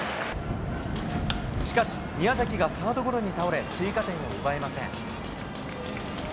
しかし、宮崎がサードゴロに倒れ、追加点を奪えません。